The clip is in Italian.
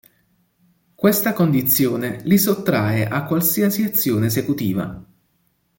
Questa condizione li sottrae a qualsiasi azione esecutiva.